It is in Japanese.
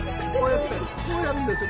こうやるんですよ。